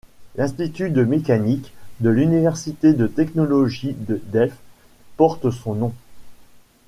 L'Institut de Mécanique de l’Université de technologie de Delft porte son nom.